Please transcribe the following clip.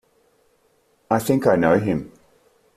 I think I know him.